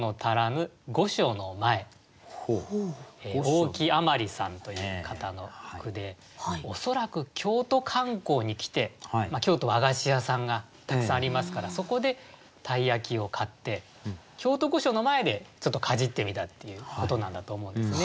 大木あまりさんという方の句で恐らく京都観光に来て京都和菓子屋さんがたくさんありますからそこで鯛焼を買って京都御所の前でちょっとかじってみたっていうことなんだと思うんですね。